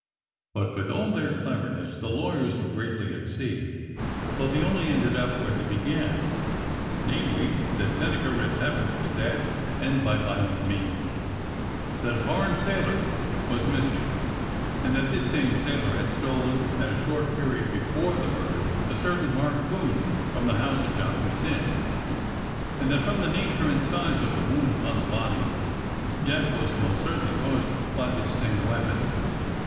But with all their cleverness the lawyers were greatly at sea, for they only ended up where they began — namely, that Sennacherib Pepper was dead, and by violent means; that a foreign sailor was missing, and that this same sailor had stolen at a short period before the murder a certain harpoon from the house of Doctor Syn, and that from the nature and size of the wound upon the body sudden death was most certainly caused by this same weapon.